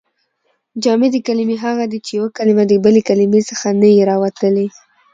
جامدي کلیمې هغه دي، چي یوه کلیمه د بلي کلیمې څخه نه يي راوتلي.